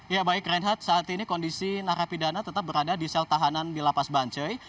ya baik reinhard saat ini kondisi narapidana tetap berada di sel tahanan di lapas bancoi